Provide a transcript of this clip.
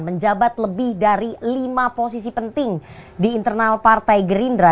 menjabat lebih dari lima posisi penting di internal partai gerindra